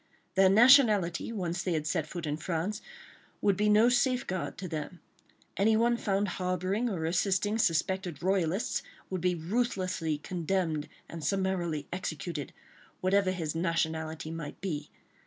Their nationality, once they had set foot in France, would be no safeguard to them. Anyone found harbouring or assisting suspected royalists would be ruthlessly condemned and summarily executed, whatever his nationality might be.